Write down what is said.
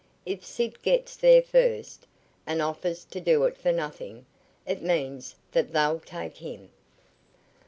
If Sid gets there first, and offers to do it for nothing, it means that they'll take him."